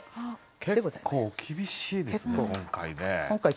結構厳しいですね今回ね。